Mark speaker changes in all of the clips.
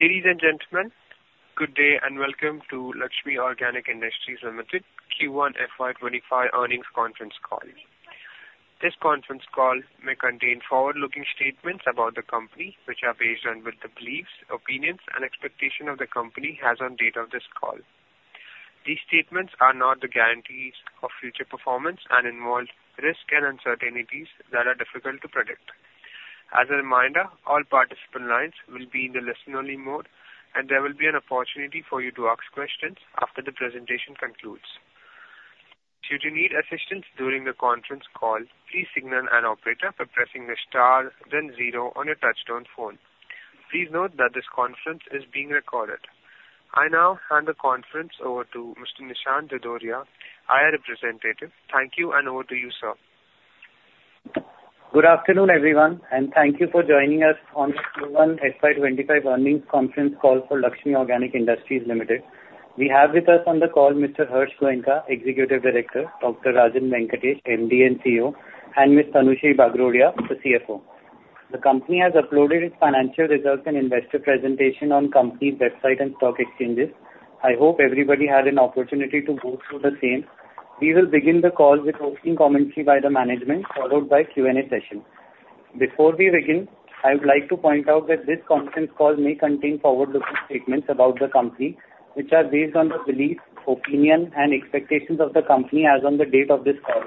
Speaker 1: Ladies and gentlemen, good day and welcome to Laxmi Organic Industries Limited Q1 FY2025 earnings conference call. This conference call may contain forward-looking statements about the company, which are based on the beliefs, opinions, and expectations the company has on the date of this call. These statements are not the guarantees of future performance and involve risks and uncertainties that are difficult to predict. As a reminder, all participant lines will be in the listen-only mode, and there will be an opportunity for you to ask questions after the presentation concludes. Should you need assistance during the conference call, please signal an operator by pressing the star, then zero on your touchtone phone. Please note that this conference is being recorded. I now hand the conference over to Mr. Nishant Dudhoria, IR representative. Thank you, and over to you, sir.
Speaker 2: Good afternoon, everyone, and thank you for joining us on this Q1 FY2025 earnings conference call for Laxmi Organic Industries Limited. We have with us on the call Mr. Harsh Goenka, Executive Director, Dr. Rajan Venkatesh, MD and CEO, and Ms. Tanushree Bagrodia, the CFO. The company has uploaded its financial results and investor presentation on the company's website and stock exchanges. I hope everybody had an opportunity to go through the same. We will begin the call with an opening commentary by the management, followed by a Q&A session. Before we begin, I would like to point out that this conference call may contain forward-looking statements about the company, which are based on the beliefs, opinions, and expectations of the company as on the date of this call.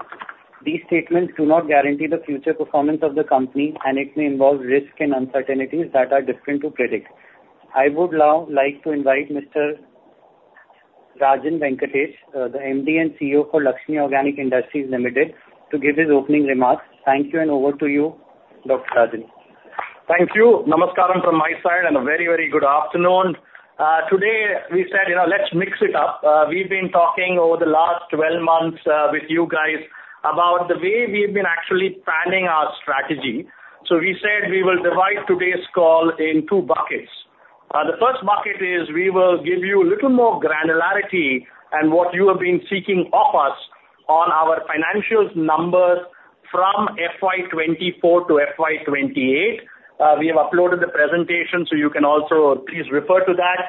Speaker 2: These statements do not guarantee the future performance of the company, and it may involve risks and uncertainties that are difficult to predict. I would now like to invite Mr. Rajan Venkatesh, the MD and CEO for Laxmi Organic Industries Limited, to give his opening remarks. Thank you, and over to you, Dr. Rajan.
Speaker 3: Thank you. Namaskaram from my side, and a very, very good afternoon. Today, we said, "Let's mix it up." We've been talking over the last 12 months with you guys about the way we've been actually planning our strategy. We said we will divide today's call into two buckets. The first bucket is we will give you a little more granularity in what you have been seeking from us on our financial numbers from FY2024 to FY2028. We have uploaded the presentation, so you can also please refer to that.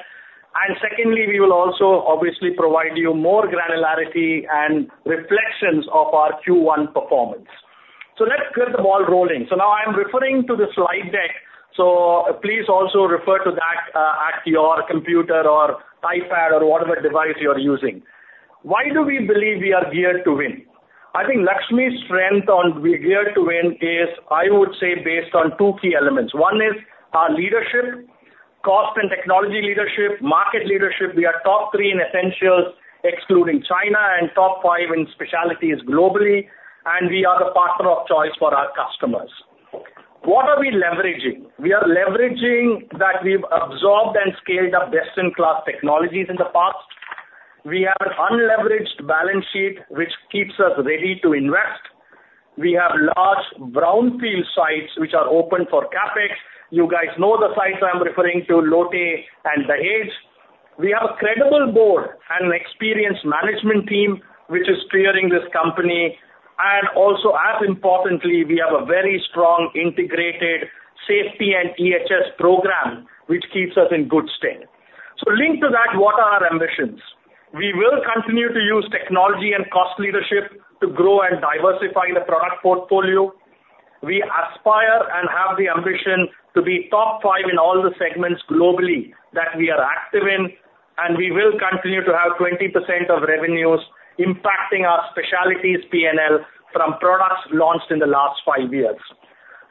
Speaker 3: Secondly, we will also obviously provide you more granularity and reflections of our Q1 performance. Let's get the ball rolling. Now I'm referring to the slide deck, so please also refer to that at your computer or iPad or whatever device you're using. Why do we believe we are geared to win? I think Laxmi's strength on being geared to win is, I would say, based on two key elements. One is our leadership: cost and technology leadership, market leadership. We are top three in essentials, excluding China, and top five in specialties globally. And we are the partner of choice for our customers. What are we leveraging? We are leveraging that we've absorbed and scaled up best-in-class technologies in the past. We have an unleveraged balance sheet, which keeps us ready to invest. We have large brownfield sites which are open for CapEx. You guys know the sites I'm referring to: Lote and Dahej. We have a credible board and an experienced management team, which is steering this company. And also, as importantly, we have a very strong integrated safety and EHS program, which keeps us in good stead. So linked to that, what are our ambitions? We will continue to use technology and cost leadership to grow and diversify the product portfolio. We aspire and have the ambition to be top 5 in all the segments globally that we are active in. We will continue to have 20% of revenues impacting our specialties, P&L, from products launched in the last five years.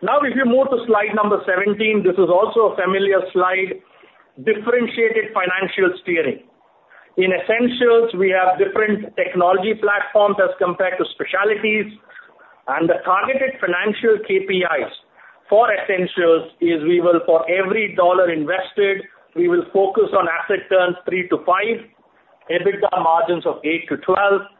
Speaker 3: Now, if you move to slide number 17, this is also a familiar slide: differentiated financial steering. In essentials, we have different technology platforms as compared to specialties. The targeted financial KPIs for essentials is we will, for every $1 invested, focus on asset turns 3-5, EBITDA margins of 8%-12%.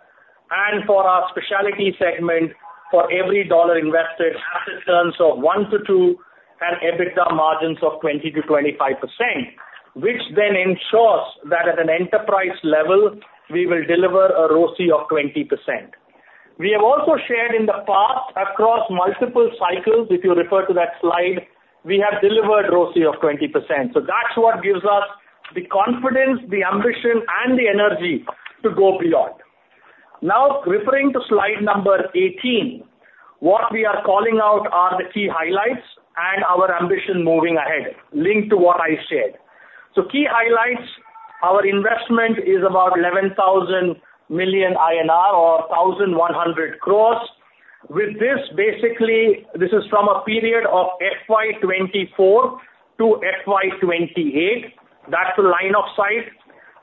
Speaker 3: For our specialty segment, for every $1 invested, asset turns of 1-2, and EBITDA margins of 20%-25%, which then ensures that at an enterprise level, we will deliver a ROCE of 20%. We have also shared in the past, across multiple cycles, if you refer to that slide, we have delivered ROSI of 20%. So that's what gives us the confidence, the ambition, and the energy to go beyond. Now, referring to slide number 18, what we are calling out are the key highlights and our ambition moving ahead, linked to what I shared. So key highlights: our investment is about 11,000 million INR or 1,100 crores. With this, basically, this is from a period of FY2024 to FY2028. That's the line of sight.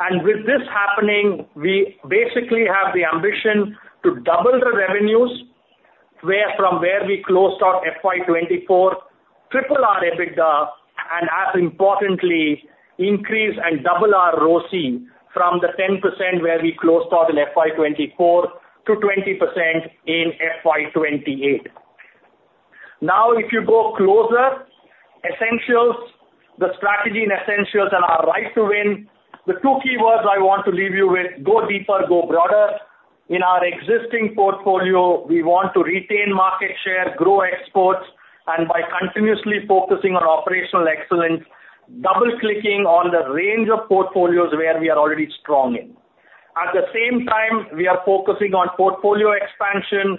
Speaker 3: And with this happening, we basically have the ambition to double the revenues from where we closed out FY2024, triple our EBITDA, and, as importantly, increase and double our ROSI from the 10% where we closed out in FY2024 to 20% in FY2028. Now, if you go closer, essentials, the strategy in essentials and our right to win, the two key words I want to leave you with: go deeper, go broader. In our existing portfolio, we want to retain market share, grow exports, and by continuously focusing on operational excellence, double-clicking on the range of portfolios where we are already strong in. At the same time, we are focusing on portfolio expansion,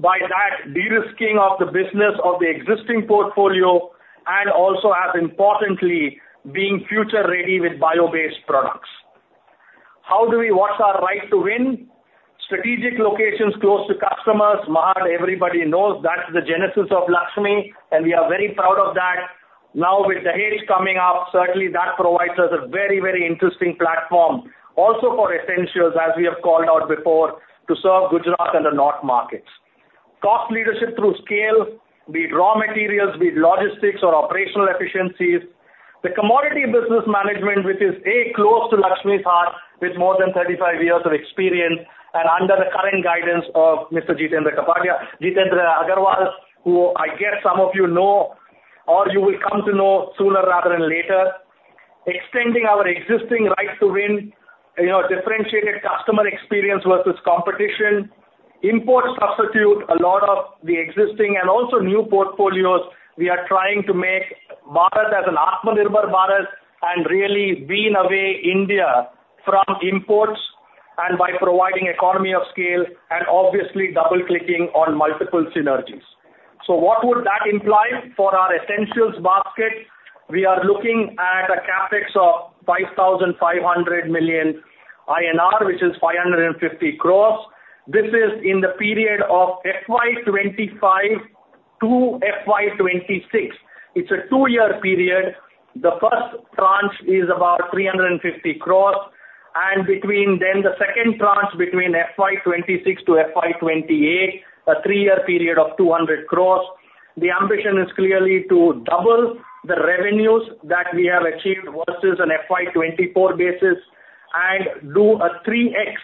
Speaker 3: by that, de-risking of the business of the existing portfolio, and also, as importantly, being future-ready with bio-based products. How do we—what's our right to win? Strategic locations close to customers. Mahad, everybody knows that's the genesis of Laxmi, and we are very proud of that. Now, with Dahej coming up, certainly that provides us a very, very interesting platform. Also, for essentials, as we have called out before, to serve Gujarat and the north markets. Cost leadership through scale, be it raw materials, be it logistics or operational efficiencies. The commodity business management, which is close to Laxmi's heart with more than 35 years of experience and under the current guidance of Mr. Jitendra Agarwal, who I guess some of you know or you will come to know sooner rather than later. Extending our existing right to win, differentiated customer experience versus competition, import substitute a lot of the existing and also new portfolios we are trying to make, Mahad as an Atma Nirbhar Mahad, and really wean away India from imports and by providing economy of scale and obviously double-clicking on multiple synergies. So what would that imply for our essentials basket? We are looking at a CapEx of 5,500 million INR, which is 550 crores. This is in the period of FY2025 to FY2026. It's a two-year period. The first tranche is about 350 crores. Then the second tranche between FY2026 to FY2028, a three-year period of 200 crores. The ambition is clearly to double the revenues that we have achieved versus an FY2024 basis and do a 3x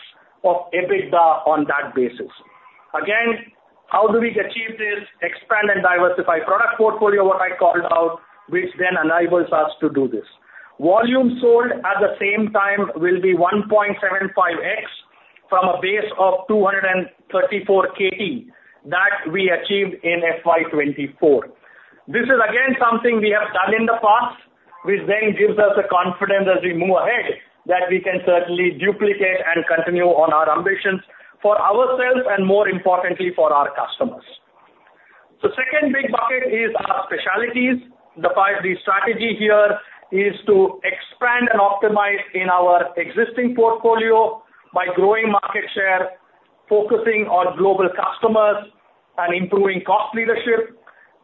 Speaker 3: of EBITDA on that basis. Again, how do we achieve this? Expand and diversify product portfolio, what I called out, which then enables us to do this. Volume sold at the same time will be 1.75x from a base of 234 KT that we achieved in FY2024. This is, again, something we have done in the past, which then gives us the confidence as we move ahead that we can certainly duplicate and continue on our ambitions for ourselves and, more importantly, for our customers. The second big bucket is our specialties. The strategy here is to expand and optimize in our existing portfolio by growing market share, focusing on global customers, and improving cost leadership.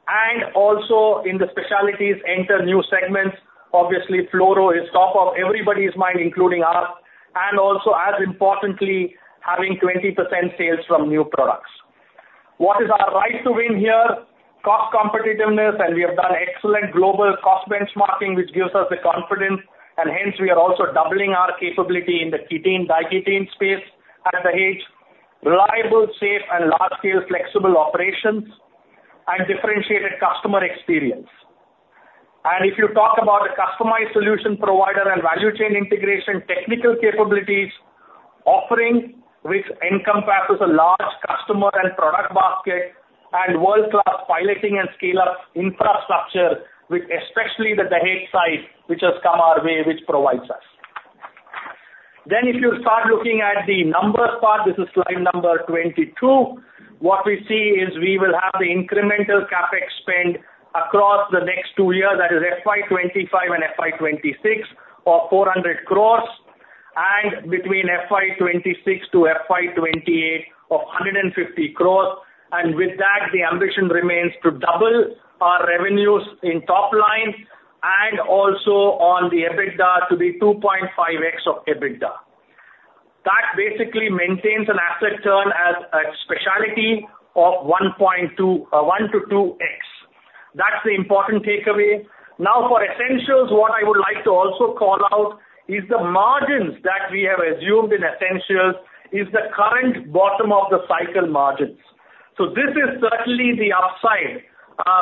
Speaker 3: And also, in the specialties, enter new segments. Obviously, fluoro is top of everybody's mind, including us. And also, as importantly, having 20% sales from new products. What is our right to win here? Cost competitiveness. And we have done excellent global cost benchmarking, which gives us the confidence. And hence, we are also doubling our capability in the ketene-diketene space at Dahej, reliable, safe, and large-scale flexible operations, and differentiated customer experience. And if you talk about the customized solution provider and value chain integration technical capabilities offering, which encompasses a large customer and product basket, and world-class piloting and scale-up infrastructure, especially the Dahej side, which has come our way, which provides us. If you start looking at the numbers part, this is slide number 22. What we see is we will have the incremental CapEx spend across the next two years, that is FY2025 and FY2026, of 400 crore, and between FY2026 to FY2028 of 150 crore. And with that, the ambition remains to double our revenues in top line and also on the EBITDA to be 2.5x of EBITDA. That basically maintains an asset turn as a specialty of 1x-2x. That's the important takeaway. Now, for essentials, what I would like to also call out is the margins that we have assumed in essentials is the current bottom of the cycle margins. So this is certainly the upside.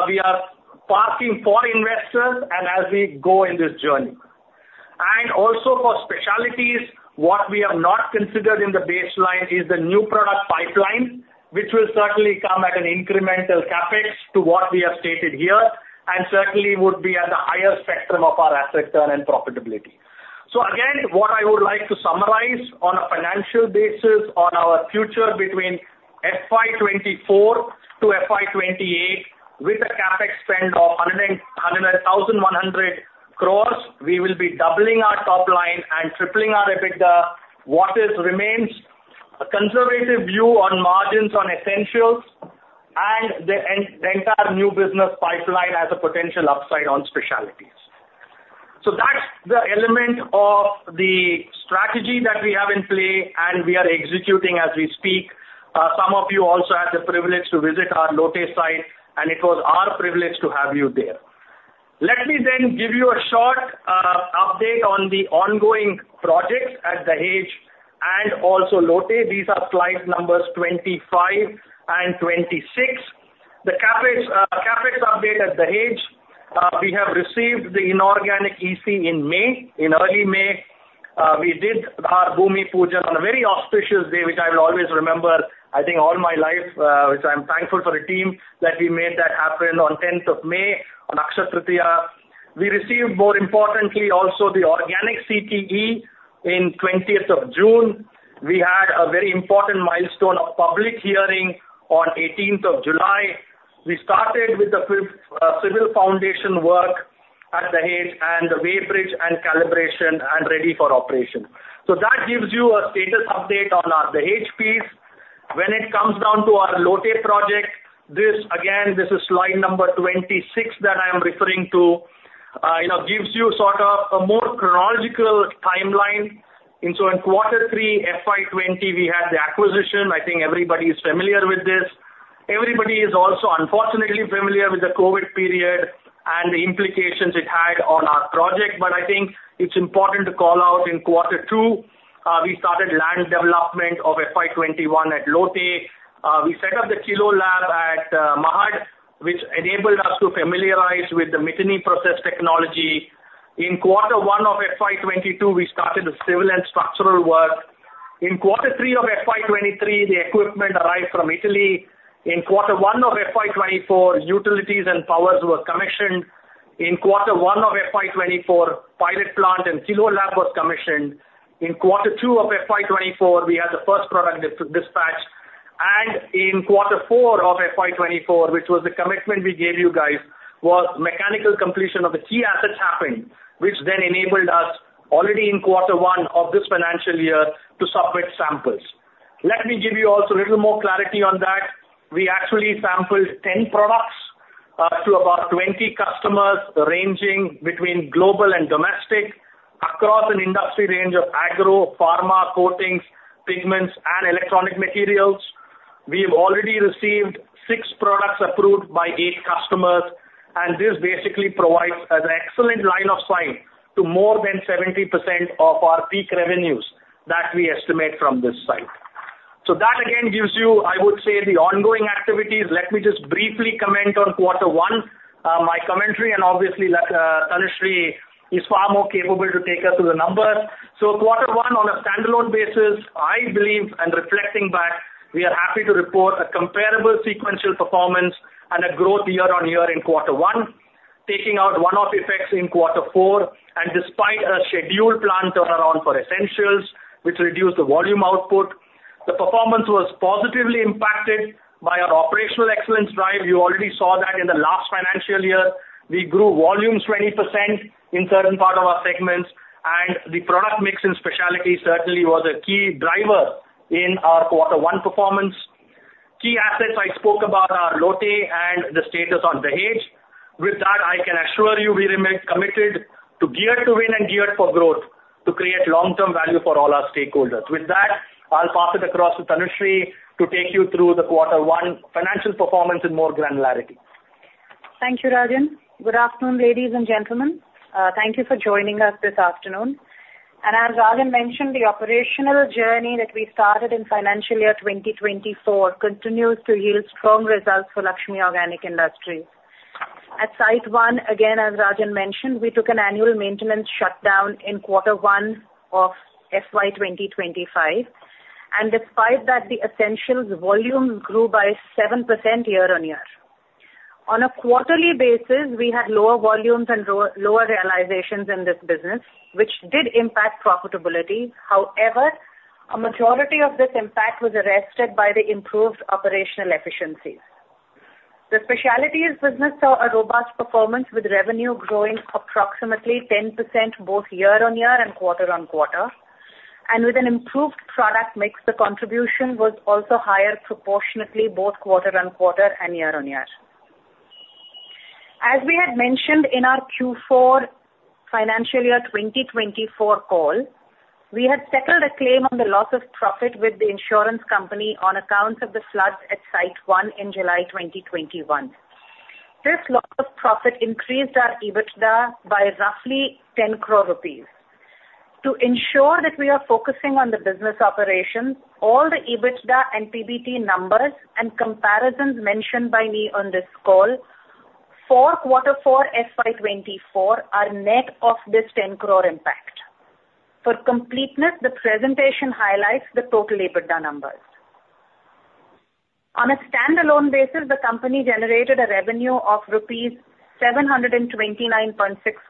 Speaker 3: We are parking for investors as we go in this journey. And also, for specialties, what we have not considered in the baseline is the new product pipeline, which will certainly come at an incremental CapEx to what we have stated here and certainly would be at the higher spectrum of our asset turn and profitability. So again, what I would like to summarize on a financial basis on our future between FY2024 to FY2028, with a CapEx spend of 1,100 crores, we will be doubling our top line and tripling our EBITDA. What remains is a conservative view on margins on essentials and the entire new business pipeline as a potential upside on specialties. So that's the element of the strategy that we have in play, and we are executing as we speak. Some of you also had the privilege to visit our Lote site, and it was our privilege to have you there. Let me then give you a short update on the ongoing projects at Dahej and also Lote. These are slide numbers 25 and 26. The CapEx update at Dahej, we have received the inorganic EC in early May. We did our Bhoomi Pujan on a very auspicious day, which I will always remember, I think, all my life, which I'm thankful for the team that we made that happen on 10th of May on Akshaya Tritiya. We received, more importantly, also the organic CTE on the 20th of June. We had a very important milestone of public hearing on the 18th of July. We started with the civil foundation work at Dahej and the weighbridge and calibration and ready for operation. So that gives you a status update on our Dahej piece. When it comes down to our Lote project, again, this is slide number 26 that I am referring to, gives you sort of a more chronological timeline. In quarter three, FY2020, we had the acquisition. I think everybody is familiar with this. Everybody is also, unfortunately, familiar with the COVID period and the implications it had on our project. But I think it's important to call out in quarter two, we started land development of FY2021 at Lote. We set up the kilo lab at Mahad, which enabled us to familiarize with the Miteni process technology. In quarter one of FY2022, we started the civil and structural work. In quarter three of FY2023, the equipment arrived from Italy. In quarter one of FY2024, utilities and powers were commissioned. In quarter one of FY2024, pilot plant and kilo lab were commissioned. In quarter two of FY2024, we had the first product dispatch. In quarter four of FY2024, which was the commitment we gave you guys, was mechanical completion of the key assets happened, which then enabled us, already in quarter one of this financial year, to submit samples. Let me give you also a little more clarity on that. We actually sampled 10 products to about 20 customers ranging between global and domestic across an industry range of agro, pharma, coatings, pigments, and electronic materials. We have already received six products approved by eight customers. This basically provides an excellent line of sight to more than 70% of our peak revenues that we estimate from this site. That, again, gives you, I would say, the ongoing activities. Let me just briefly comment on quarter one, my commentary. Obviously, Tanushree is far more capable to take us through the numbers. Quarter one, on a standalone basis, I believe, and reflecting back, we are happy to report a comparable sequential performance and a growth year-on-year in quarter one, taking out one-off effects in quarter four. Despite a scheduled plant turnaround for essentials, which reduced the volume output, the performance was positively impacted by our operational excellence drive. You already saw that in the last financial year. We grew volumes 20% in certain parts of our segments. The product mix and specialty certainly was a key driver in our quarter one performance. Key assets I spoke about are Lote and the status on Dahej. With that, I can assure you we remain committed, geared to win and geared for growth to create long-term value for all our stakeholders. With that, I'll pass it across to Tanushree to take you through the quarter one financial performance in more granularity.
Speaker 4: Thank you, Rajan.Good afternoon, ladies and gentlemen. Thank you for joining us this afternoon. And as Rajan mentioned, the operational journey that we started in financial year 2024 continues to yield strong results for Laxmi Organic Industries. At site one, again, as Rajan mentioned, we took an annual maintenance shutdown in quarter one of FY2025. And despite that, the essentials volume grew by 7% year-on-year. On a quarterly basis, we had lower volumes and lower realizations in this business, which did impact profitability. However, a majority of this impact was arrested by the improved operational efficiencies. The specialties business saw a robust performance with revenue growing approximately 10% both year-on-year and quarter-on-quarter. And with an improved product mix, the contribution was also higher proportionately both quarter-on-quarter and year-on-year. As we had mentioned in our Q4 financial year 2024 call, we had settled a claim on the loss of profit with the insurance company on accounts of the floods at site one in July 2021. This loss of profit increased our EBITDA by roughly 10 crore rupees. To ensure that we are focusing on the business operations, all the EBITDA and PBT numbers and comparisons mentioned by me on this call for quarter four FY2024 are net of this 10 crore impact. For completeness, the presentation highlights the total EBITDA numbers. On a standalone basis, the company generated a revenue of rupees 729.6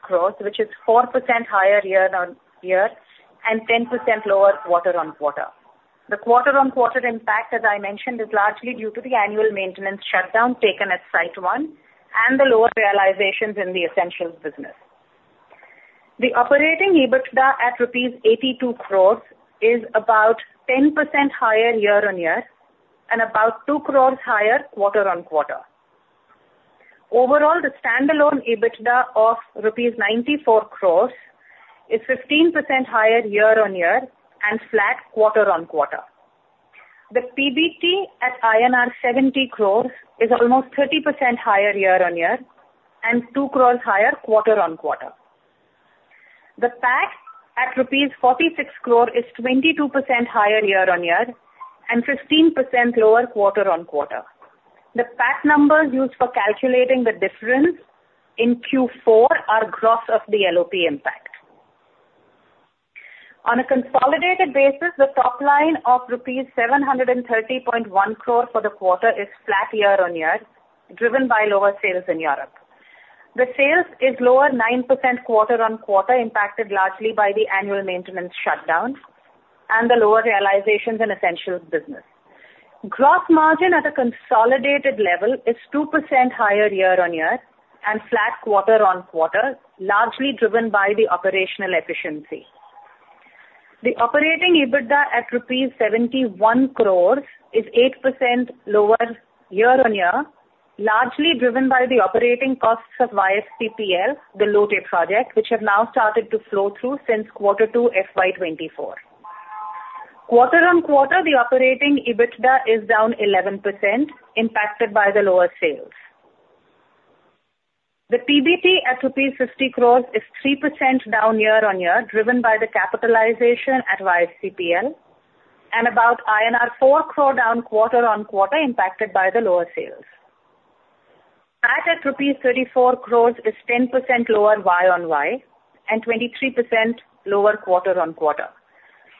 Speaker 4: crore, which is 4% higher year-on-year and 10% lower quarter-on-quarter. The quarter-on-quarter impact, as I mentioned, is largely due to the annual maintenance shutdown taken at site one and the lower realizations in the essentials business. The operating EBITDA at rupees 82 crores is about 10% higher year-on-year and about 2 crores higher quarter-on-quarter. Overall, the standalone EBITDA of rupees 94 crores is 15% higher year-on-year and flat quarter-on-quarter. The PBT at INR 70 crores is almost 30% higher year-on-year and 2 crores higher quarter-on-quarter. The PAT at rupees 46 crores is 22% higher year-on-year and 15% lower quarter-on-quarter. The PAT numbers used for calculating the difference in Q4 are gross of the LOP impact. On a consolidated basis, the top line of rupees 730.1 crores for the quarter is flat year-on-year, driven by lower sales in Europe. The sales is lower 9% quarter-on-quarter, impacted largely by the annual maintenance shutdown and the lower realizations in essentials business. Gross margin at a consolidated level is 2% higher year-on-year and flat quarter-on-quarter, largely driven by the operational efficiency. The operating EBITDA at rupees 71 crore is 8% lower year-on-year, largely driven by the operating costs of YFCPL, the Lote project, which have now started to flow through since quarter two FY2024. Quarter-on-quarter, the operating EBITDA is down 11%, impacted by the lower sales. The PBT at INR 50 crore is 3% down year-on-year, driven by the capitalization at YFCPL, and about INR 4 crore down quarter-on-quarter, impacted by the lower sales. PAT at rupees 34 crore is 10% lower Y-on-Y and 23% lower quarter-on-quarter.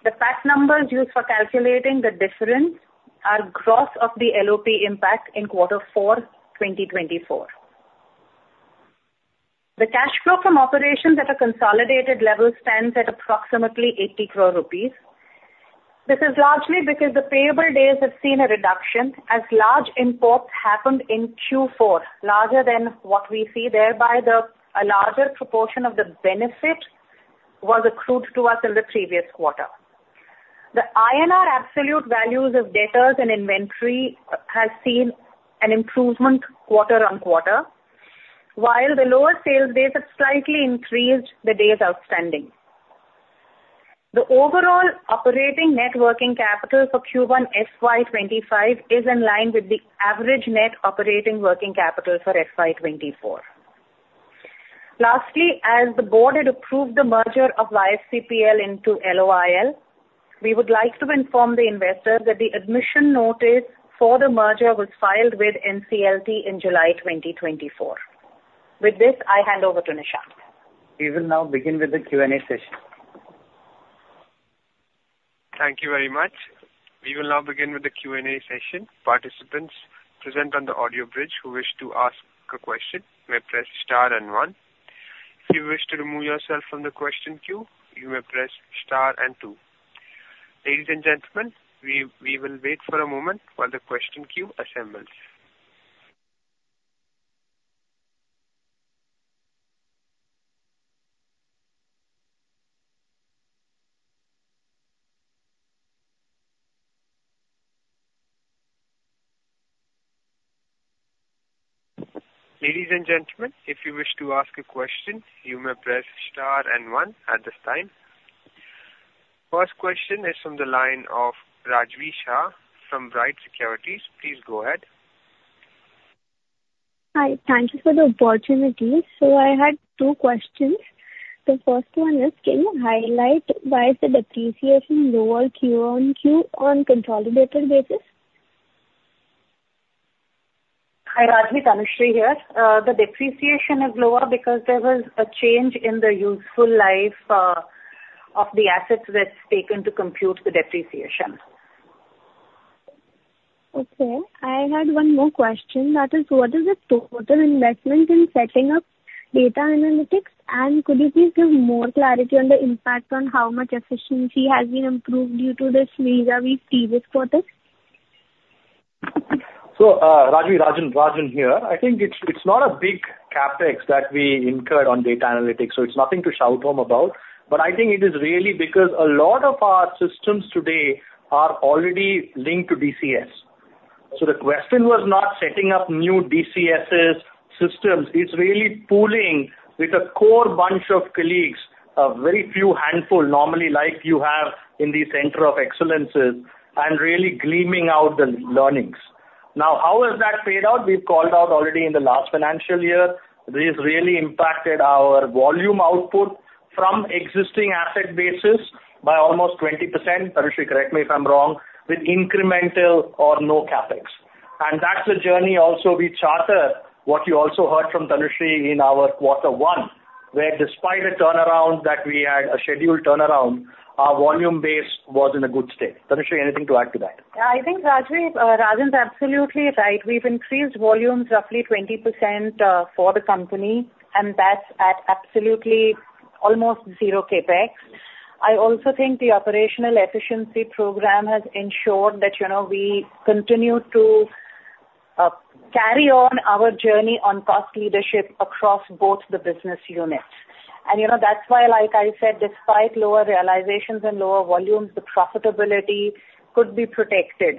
Speaker 4: The PAT numbers used for calculating the difference are gross of the LOP impact in quarter four 2024. The cash flow from operations at a consolidated level stands at approximately 80 crore rupees. This is largely because the payable days have seen a reduction as large imports happened in Q4, larger than what we see, thereby the larger proportion of the benefit was accrued to us in the previous quarter. The INR absolute values of debtors and inventory have seen an improvement quarter-on-quarter, while the lower sales days have slightly increased the days outstanding. The overall operating net working capital for Q1 FY2025 is in line with the average net operating working capital for FY2024. Lastly, as the board had approved the merger of YFCPL into LOIL, we would like to inform the investors that the admission notice for the merger was filed with NCLT in July 2024. With this, I hand over to Nishant.
Speaker 2: We will now begin with the Q&A session. Thank you very much. We will now begin with the Q&A session.
Speaker 1: Participants present on the audio bridge who wish to ask a question may press star and one. If you wish to remove yourself from the question queue, you may press star and two. Ladies and gentlemen, we will wait for a moment while the question queue assembles. Ladies and gentlemen, if you wish to ask a question, you may press star and one at this time. First question is from the line of Rajvi Shah from Bright Securities. Please go ahead.
Speaker 5: Hi. Thank you for the opportunity. So I had two questions. The first one is, can you highlight why is the depreciation lower Q1 on QoQ on consolidated basis?
Speaker 4: Hi, Rajvi. Tanushree here. The depreciation is lower because there was a change in the useful life of the assets that's taken to compute the depreciation.
Speaker 5: Okay. I had one more question. That is, what is the total investment in setting up data analytics? And could you please give more clarity on the impact on how much efficiency has been improved due to this vis-à-vis previous quarters?
Speaker 3: So Rajvi, Rajan here. I think it's not a big CapEx that we incurred on data analytics. So it's nothing to write home about. But I think it is really because a lot of our systems today are already linked to DCS. So the question was not setting up new DCS systems. It's really pooling with a core bunch of colleagues, a very few handful normally like you have in the centers of excellence, and really gleaning out the learnings. Now, how has that paid out? We've called out already in the last financial year. This really impacted our volume output from existing asset basis by almost 20%. Tanushree, correct me if I'm wrong, with incremental or no CapEx. And that's the journey also we chartered, what you also heard from Tanushree in our quarter one, where despite the turnaround that we had, a scheduled turnaround, our volume base was in a good state. Tanushree, anything to add to that?
Speaker 4: I think Rajvi Rajan's absolutely right. We've increased volumes roughly 20% for the company, and that's at absolutely almost zero CapEx. I also think the operational efficiency program has ensured that we continue to carry on our journey on cost leadership across both the business units. And that's why, like I said, despite lower realizations and lower volumes, the profitability could be protected.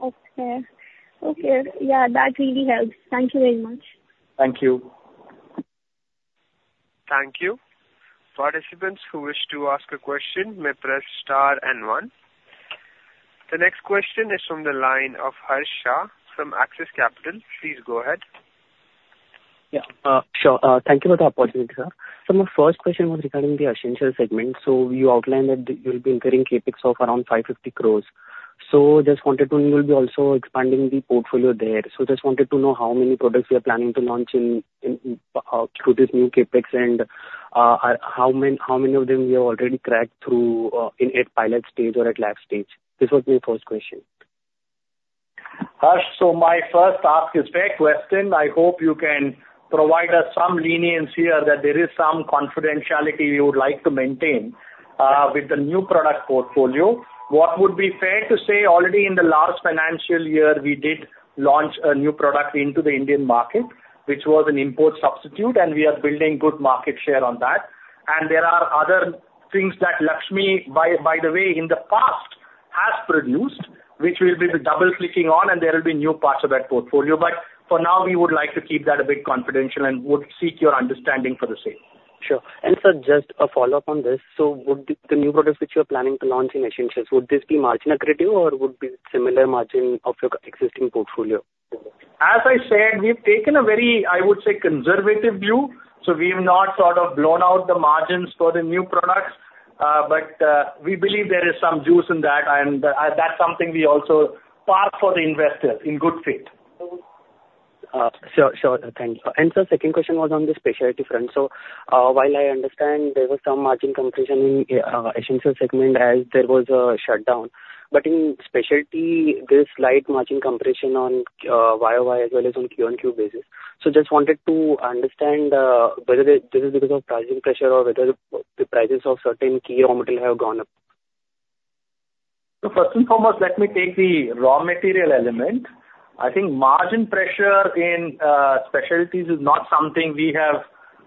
Speaker 5: Okay. Okay. Yeah, that really helps. Thank you very much.
Speaker 3: Thank you.
Speaker 1: Thank you. Participants who wish to ask a question may press star and one. The next question is from the line of Harsh Shah from Axis Capital. Please go ahead.
Speaker 6: Yeah. Sure. Thank you for the opportunity, sir. So my first question was regarding the essentials segment. So you outlined that you'll be incurring CapEx of around 550 crores. So just wanted to know you'll be also expanding the portfolio there. So just wanted to know how many products you're planning to launch through this new CapEx and how many of them you have already cracked through in either pilot stage or at last stage. This was my first question.
Speaker 3: Harsh, so my first ask is fair question. I hope you can provide us some leniency here that there is some confidentiality you would like to maintain with the new product portfolio. What would be fair to say, already in the last financial year, we did launch a new product into the Indian market, which was an import substitute, and we are building good market share on that. There are other things that Laxmi, by the way, in the past has produced, which we'll be double-clicking on, and there will be new parts of that portfolio. But for now, we would like to keep that a bit confidential and would seek your understanding for the same.
Speaker 6: Sure. Sir, just a follow-up on this. So the new products which you're planning to launch in essentials, would this be margin accredited, or would it be similar margin of your existing portfolio?
Speaker 3: As I said, we've taken a very, I would say, conservative view. So we have not sort of blown out the margins for the new products, but we believe there is some juice in that, and that's something we also park for the investors in good faith.
Speaker 6: Sure. Sure. Thank you. And sir, second question was on the specialty front. So while I understand there was some margin compression in essentials segment as there was a shutdown, but in specialty, there's slight margin compression on YoY as well as on QoQ basis. So just wanted to understand whether this is because of pricing pressure or whether the prices of certain key raw material have gone up.
Speaker 3: So first and foremost, let me take the raw material element. I think margin pressure in specialties is not something we have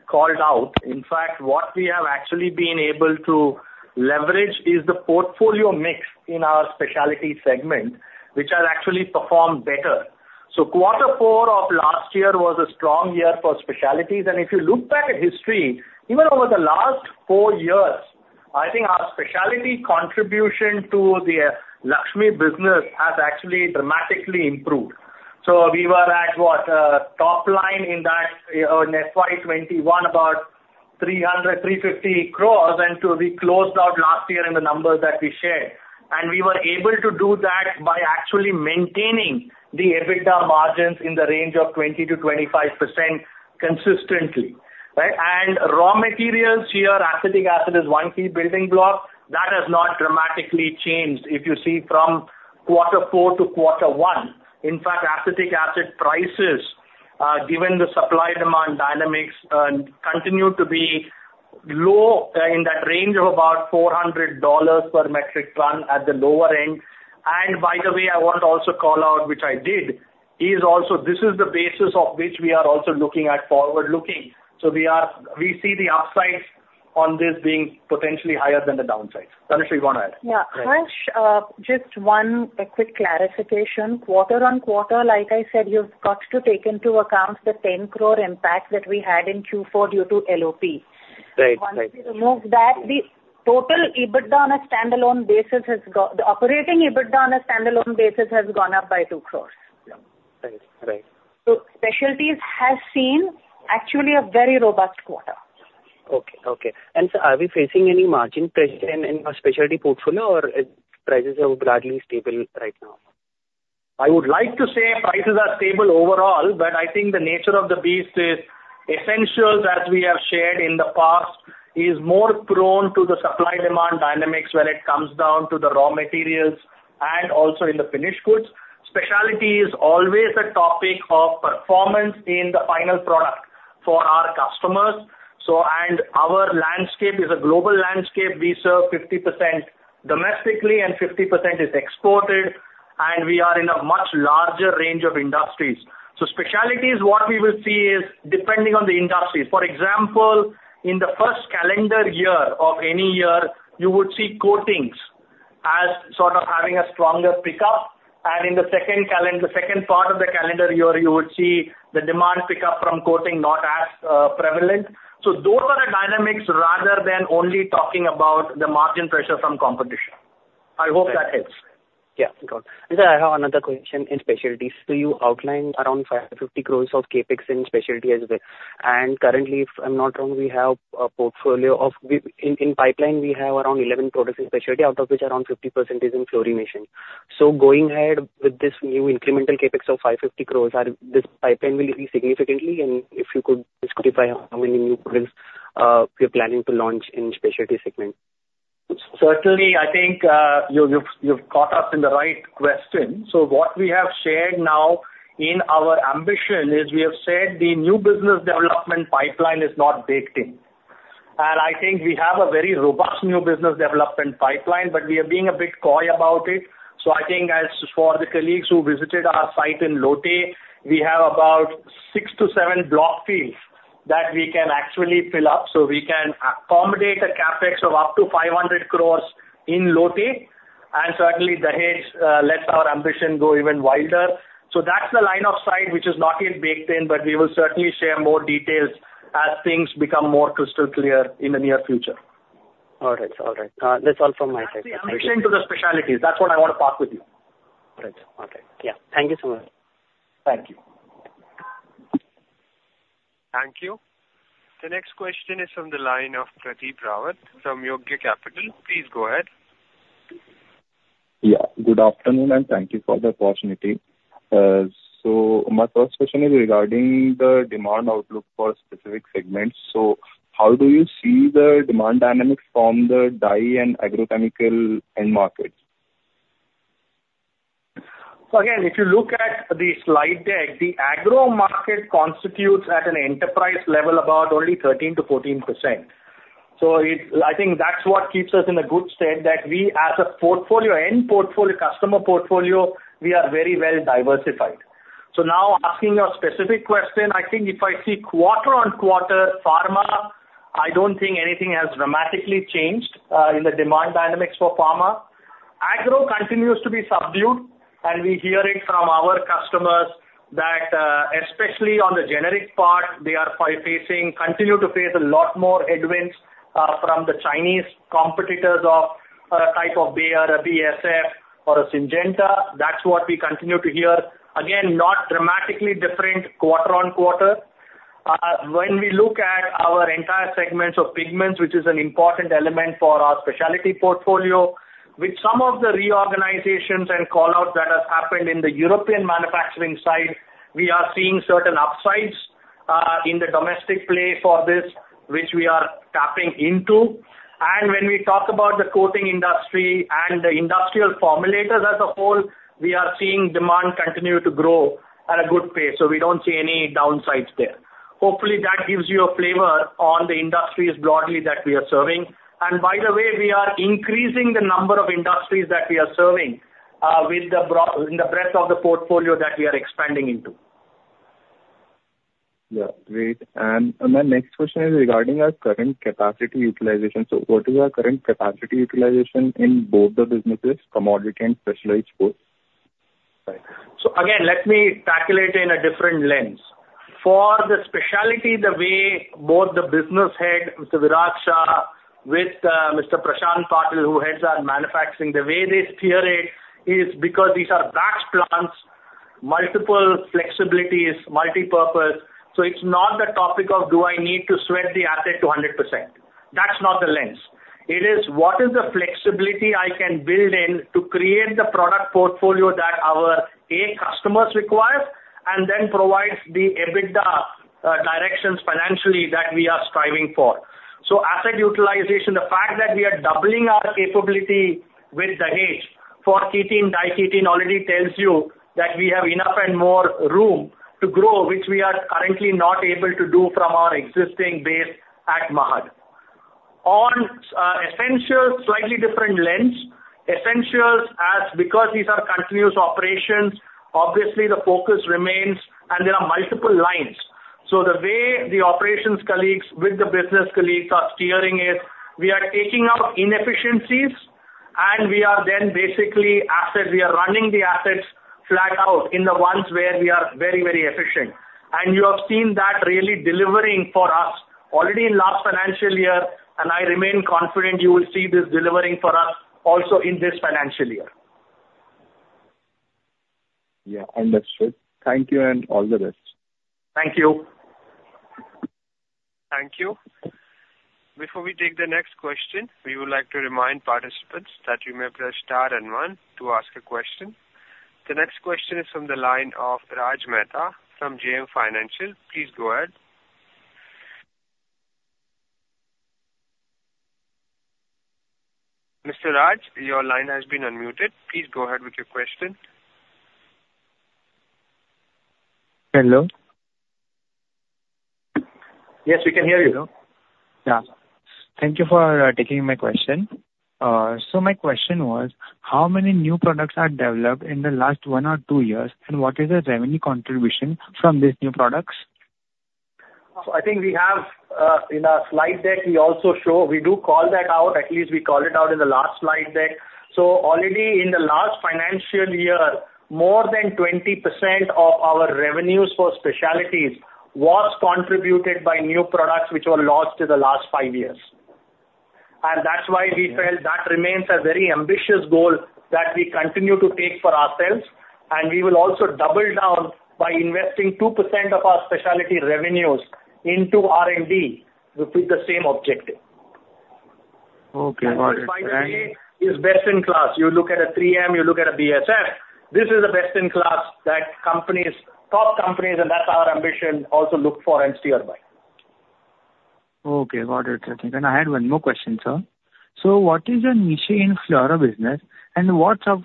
Speaker 3: called out. In fact, what we have actually been able to leverage is the portfolio mix in our specialty segment, which has actually performed better. So quarter four of last year was a strong year for specialties. And if you look back at history, even over the last four years, I think our specialty contribution to the Laxmi business has actually dramatically improved. So we were at what? Top line in that FY2021, about 300-350 crores, and we closed out last year in the numbers that we shared. And we were able to do that by actually maintaining the EBITDA margins in the range of 20%-25% consistently. And raw materials here, acetic acid is one key building block. That has not dramatically changed, if you see, from quarter four to quarter one. In fact, acetic acid prices, given the supply-demand dynamics, continue to be low in that range of about $400 per metric ton at the lower end. By the way, I want to also call out, which I did, is also this is the basis of which we are also looking at forward-looking. So we see the upsides on this being potentially higher than the downsides. Tanushree, you want to add?
Speaker 4: Yeah. Harsh, just one quick clarification. Quarter on quarter, like I said, you've got to take into account the 10 crore impact that we had in Q4 due to LOP. Right. Once we remove that, the total EBITDA on a standalone basis has the operating EBITDA on a standalone basis has gone up by 2 crore.
Speaker 6: Yeah. Right. Right.
Speaker 4: So specialties has seen actually a very robust quarter.
Speaker 6: Okay. Okay. And sir, are we facing any margin pressure in our specialty portfolio, or prices are broadly stable right now?
Speaker 3: I would like to say prices are stable overall, but I think the nature of the beast is essentials, as we have shared in the past, is more prone to the supply-demand dynamics when it comes down to the raw materials and also in the finished goods. Specialty is always a topic of performance in the final product for our customers. And our landscape is a global landscape. We serve 50% domestically and 50% is exported, and we are in a much larger range of industries. So specialties, what we will see is depending on the industry. For example, in the first calendar year of any year, you would see coatings as sort of having a stronger pickup. In the second part of the calendar year, you would see the demand pickup from coating not as prevalent. So those are the dynamics rather than only talking about the margin pressure from competition. I hope that helps.
Speaker 6: Yeah. Got it. And sir, I have another question in specialties. So you outlined around 550 crore of CapEx in specialty as well. And currently, if I'm not wrong, we have a portfolio of in pipeline, we have around 11 products in specialty, out of which around 50% is in fluorination. So going ahead with this new incremental CapEx of 550 crore, this pipeline will increase significantly. And if you could specify how many new products you're planning to launch in specialty segment?
Speaker 3: Certainly, I think you've caught us in the right question. So what we have shared now in our ambition is we have said the new business development pipeline is not baked in. And I think we have a very robust new business development pipeline, but we are being a bit coy about it. So I think as for the colleagues who visited our site in Lote, we have about six-seven brownfields that we can actually fill up so we can accommodate a CapEx of up to 500 crore in Lote. And certainly, the Dahej lets our ambition go even wilder. So that's the line of sight, which is not yet baked in, but we will certainly share more details as things become more crystal clear in the near future.
Speaker 6: All right. All right. That's all from my side.
Speaker 3: And the question to the specialties, that's what I want to park with you.
Speaker 6: All right. All right. Yeah. Thank you so much.
Speaker 3: Thank you.
Speaker 1: Thank you. The next question is from the line of Pradeep Rawat from Yogya Capital. Please go ahead.
Speaker 7: Yeah. Good afternoon, and thank you for the opportunity. So my first question is regarding the demand outlook for specific segments. So how do you see the demand dynamics from the dye and agrochemical end markets?
Speaker 3: So again, if you look at the slide deck, the agro market constitutes at an enterprise level about only 13%-14%. So I think that's what keeps us in a good state that we, as a portfolio, end portfolio, customer portfolio, we are very well diversified. So now asking your specific question, I think if I see quarter-on-quarter pharma, I don't think anything has dramatically changed in the demand dynamics for pharma. Agro continues to be subdued, and we hear it from our customers that especially on the generic part, they continue to face a lot more headwinds from the Chinese competitors of a type of Bayer, a BASF, or a Syngenta. That's what we continue to hear. Again, not dramatically different quarter-over-quarter. When we look at our entire segments of pigments, which is an important element for our specialty portfolio, with some of the reorganizations and callouts that have happened in the European manufacturing side, we are seeing certain upsides in the domestic play for this, which we are tapping into. And when we talk about the coating industry and the industrial formulators as a whole, we are seeing demand continue to grow at a good pace. So we don't see any downsides there. Hopefully, that gives you a flavor on the industries broadly that we are serving. And by the way, we are increasing the number of industries that we are serving with the breadth of the portfolio that we are expanding into.
Speaker 7: Yeah. Great. And my next question is regarding our current capacity utilization. So what is our current capacity utilization in both the businesses, commodity and specialized goods? Right.
Speaker 3: So again, let me tackle it in a different lens. For the specialty, the way both the business head, Mr. Virat Shah, with Mr. Prashant Patil, who heads our manufacturing, the way they steer it is because these are batch plants, multiple flexibilities, multi-purpose. So it's not the topic of, "Do I need to sweat the asset to 100%?" That's not the lens. It is, "What is the flexibility I can build in to create the product portfolio that our A customers require and then provides the EBITDA directions financially that we are striving for?" So asset utilization, the fact that we are doubling our capability with the Dahej for ketene, diketene already tells you that we have enough and more room to grow, which we are currently not able to do from our existing base at Mahad. On essentials, slightly different lens. Essentials, as because these are continuous operations, obviously the focus remains, and there are multiple lines. So the way the operations colleagues with the business colleagues are steering is we are taking out inefficiencies, and we are then basically we are running the assets flat out in the ones where we are very, very efficient. You have seen that really delivering for us already in last financial year, and I remain confident you will see this delivering for us also in this financial year.
Speaker 7: Yeah. Understood. Thank you, and all the best.
Speaker 3: Thank you.
Speaker 1: Thank you. Before we take the next question, we would like to remind participants that you may press star and one to ask a question. The next question is from the line of Raj Mehta from JM Financial. Please go ahead. Mr. Raj, your line has been unmuted. Please go ahead with your question.
Speaker 8: Hello?
Speaker 1: Yes, we can hear you.
Speaker 8: Yeah. Thank you for taking my question. So my question was, how many new products are developed in the last one or two years, and what is the revenue contribution from these new products?
Speaker 3: So I think we have in our slide deck, we also show we do call that out. At least we call it out in the last slide deck. So already in the last financial year, more than 20% of our revenues for specialties was contributed by new products which were launched in the last five years. And that's why we felt that remains a very ambitious goal that we continue to take for ourselves. And we will also double down by investing 2% of our specialty revenues into R&D with the same objective.
Speaker 8: Okay. All right.
Speaker 3: And finally, it's best in class. You look at a 3M, you look at a BASF. This is the best in class that companies, top companies, and that's our ambition, also look for and steer by.
Speaker 8: Okay. Got it. Thank you. And I had one more question, sir. So what is your niche in fluoro business, and what sort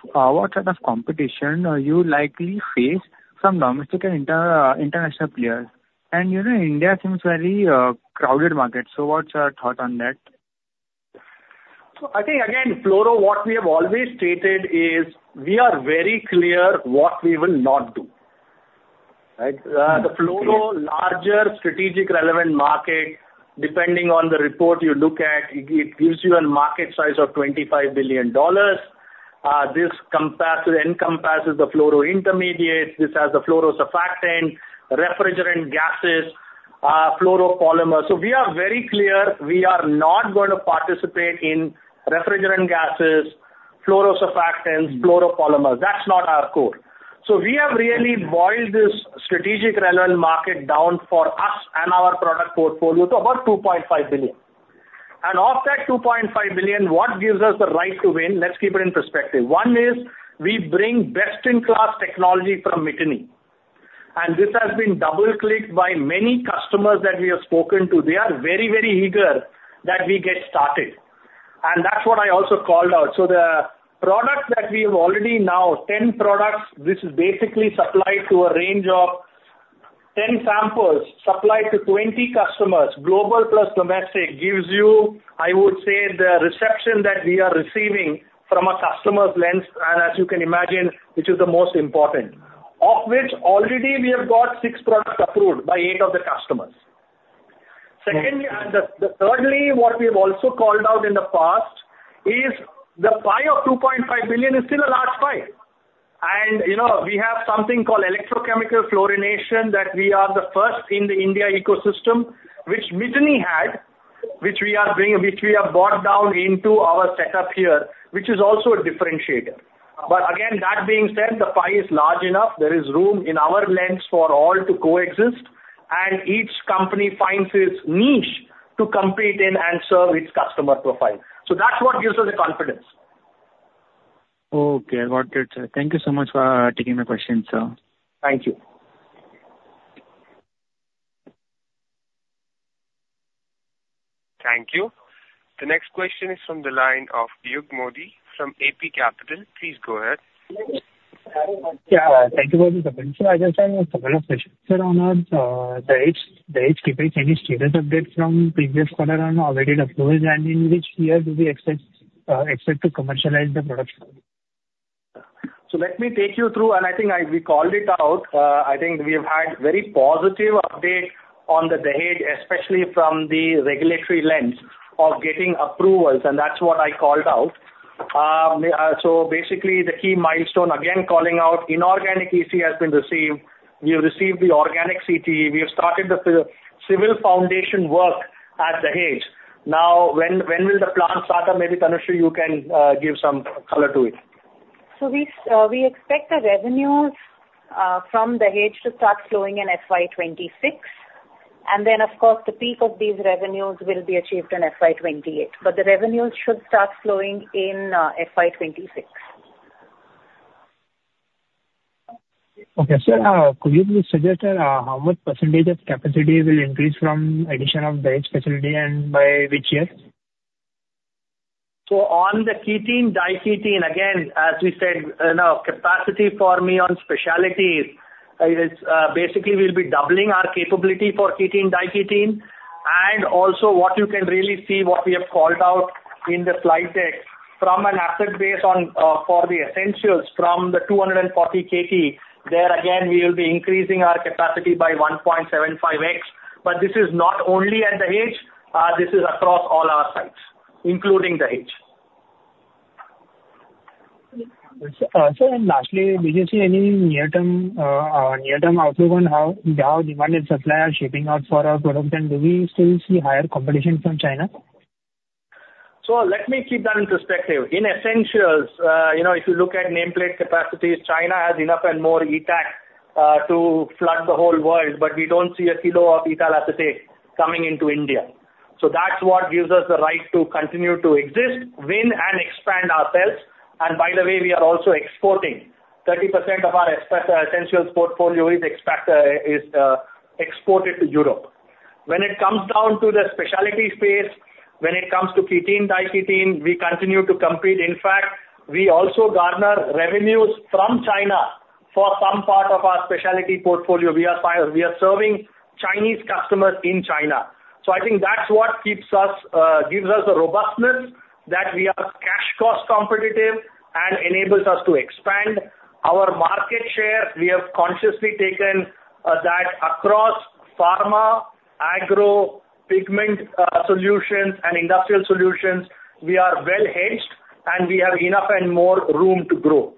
Speaker 8: of competition are you likely to face from domestic and international players? And India seems a very crowded market. So what's your thought on that?
Speaker 3: So I think, again, fluoro, what we have always stated is we are very clear what we will not do. Right? The fluoro, larger strategic relevant market, depending on the report you look at, it gives you a market size of $25 billion. This encompasses the fluoro intermediates. This has the fluoro surfactant, refrigerant gases, fluoro polymers. So we are very clear we are not going to participate in refrigerant gases, fluoro surfactants, fluoro polymers. That's not our core. So we have really boiled this strategic relevant market down for us and our product portfolio to about $2.5 billion. And of that $2.5 billion, what gives us the right to win? Let's keep it in perspective. One is we bring best-in-class technology from Miteni. And this has been double-clicked by many customers that we have spoken to. They are very, very eager that we get started. And that's what I also called out. So the product that we have already now, 10 products, this is basically supplied to a range of 10 samples, supplied to 20 customers, global plus domestic, gives you, I would say, the reception that we are receiving from a customer's lens, and as you can imagine, which is the most important. Of which, already we have got six products approved by eight of the customers. Secondly, and thirdly, what we have also called out in the past is the pie of 2.5 billion is still a large pie. And we have something called electrochemical fluorination that we are the first in the India ecosystem, which Miteni had, which we have brought down into our setup here, which is also a differentiator. But again, that being said, the pie is large enough. There is room in our lens for all to coexist, and each company finds its niche to compete in and serve its customer profile. So that's what gives us the confidence.
Speaker 8: Okay. Got it. Thank you so much for taking my question, sir.
Speaker 3: Thank you.
Speaker 1: Thank you. The next question is from the line of Yug Modi from AP Capital. Please go ahead.
Speaker 9: Yeah. Thank you for the question. I just want to establish a question, sir, on the hedge capability. Any status updates from previous quarter on already the fluorination in which year do we expect to commercialize the products?
Speaker 3: So let me take you through, and I think we called it out. I think we have had very positive updates on the Dahej, especially from the regulatory lens of getting approvals, and that's what I called out. So basically, the key milestone, again, calling out inorganic EC has been received. We have received the organic CT. We have started the civil foundation work at the Dahej. Now, when will the plants start?
Speaker 4: And maybe, Tanushree, you can give some color to it. So we expect the revenues from the Dahej to start flowing in FY2026. And then, of course, the peak of these revenues will be achieved in FY2028. But the revenues should start flowing in FY2026.
Speaker 9: Okay. Sir, could you suggest how much percentage of capacity will increase from addition of the Dahej facility and by which year?
Speaker 3: So on the ketene, diketene, again, as we said, capacity in specialties, basically, we'll be doubling our capability for ketene, diketene. And also, what you can really see, what we have called out in the slide deck, from an asset base for the essentials from the 240 KT, there, again, we will be increasing our capacity by 1.75x. But this is not only at Dahej. This is across all our sites, including Dahej.
Speaker 9: Sir, and lastly, would you see any near-term outlook on how demand and supply are shaping out for our products? And do we still see higher competition from China?
Speaker 3: So let me keep that in perspective. In essentials, if you look at nameplate capacities, China has enough and more ETAC to flood the whole world, but we don't see a kilo of ethyl acetate coming into India. So that's what gives us the right to continue to exist, win, and expand ourselves. And by the way, we are also exporting. 30% of our essentials portfolio is exported to Europe. When it comes down to the specialty space, when it comes to ketene, diketene, we continue to compete. In fact, we also garner revenues from China for some part of our specialty portfolio. We are serving Chinese customers in China. So I think that's what gives us the robustness that we are cash-cost competitive and enables us to expand our market share. We have consciously taken that across pharma, agro, pigment solutions, and industrial solutions, we are well hedged, and we have enough and more room to grow.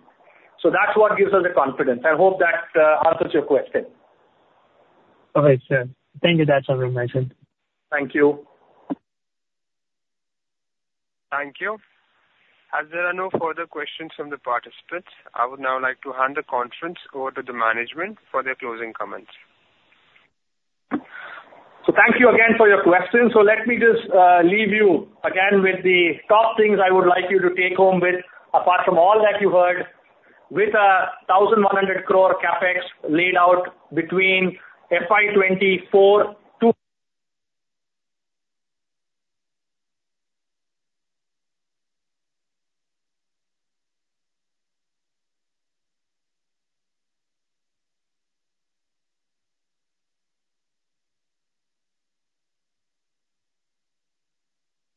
Speaker 3: So that's what gives us the confidence. I hope that answers your question.
Speaker 9: Okay, sir. Thank you. That's all from my side. Thank you.
Speaker 3: Thank you. Are there any further questions from the participants? I would now like to hand the conference over to the management for their closing comments. So thank you again for your questions. So let me just leave you again with the top things I would like you to take home with, apart from all that you heard, with a 1,100 crore CapEx laid out between FY2024 to.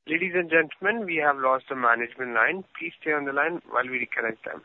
Speaker 1: Ladies and gentlemen, we have lost the management line. Please stay on the line while we reconnect them.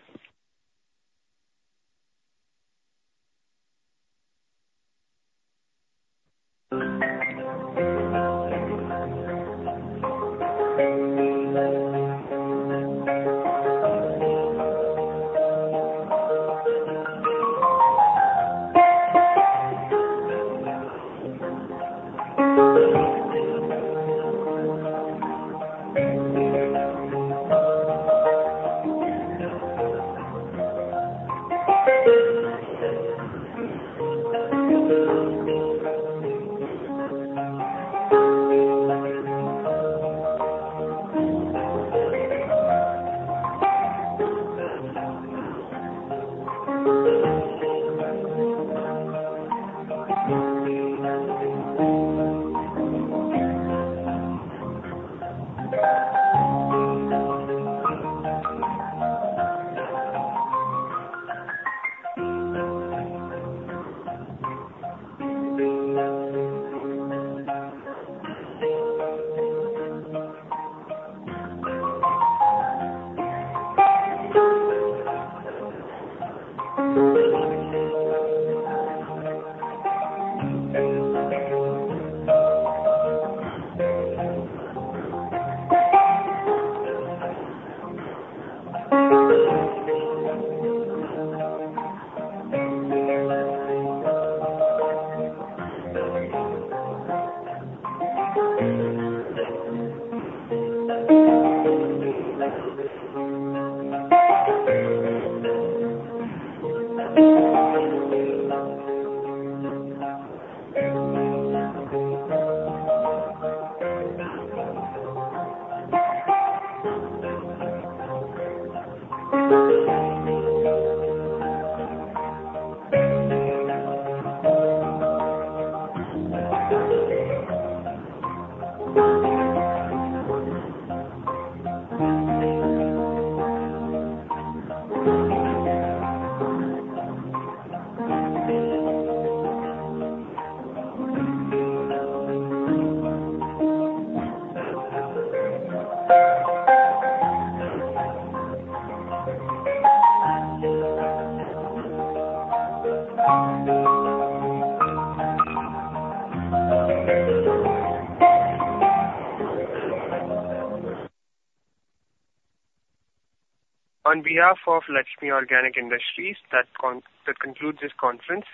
Speaker 1: On behalf of Laxmi Organic Industries Limited, that concludes this conference.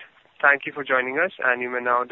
Speaker 1: Thank you for joining us, and you may now.